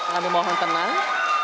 kami mohon tenang